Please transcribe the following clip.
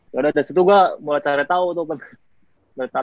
ya udah dari situ gue mulai caranya tahu tuh